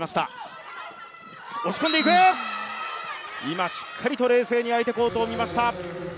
今、しっかりと冷静に相手コートを見ました。